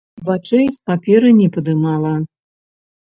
Вачэй з паперы не падымала.